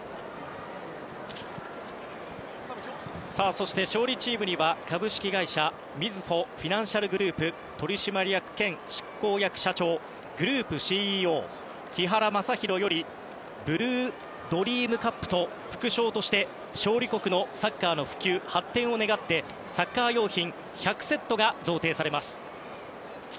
そして勝利チームには株式会社みずほフィナンシャルグループ取締役兼執行役社長グループＣＥＯ木原正裕よりＢＬＵＥＤＲＥＡＭカップと副賞として、勝利国のサッカーの普及・発展を願ってサッカー用品１００セットが贈呈されます。